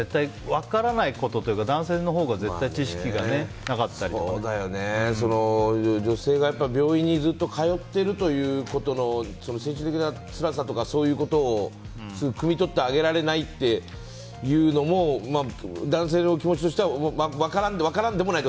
分からないことというか男性のほうが女性が病院にずっと通ってるということの精神的な辛さとかそういうことをくみ取ってあげられないというのも男性の気持ちとしては分からんでもない。